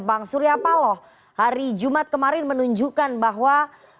bang surya paloh hari jumat kemarin menunjukkan bahwa